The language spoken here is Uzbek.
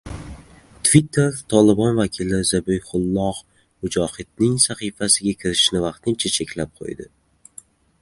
Twitter Tolibon vakili Zabihulloh Mujohidning sahifasiga kirishni vaqtincha cheklab qo‘ydi